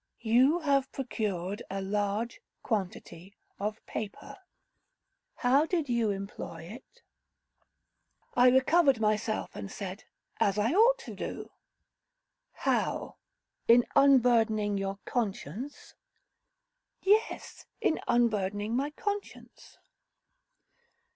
'You have procured a large quantity of paper— how did you employ it?' I recovered myself, and said, 'As I ought to do.' 'How, in unburdening your conscience?' 'Yes, in unburdening my conscience.'